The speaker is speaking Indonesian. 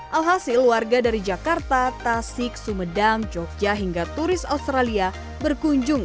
alhasil warga dari jakarta tasik sumedang jogja hingga turis australia berkunjung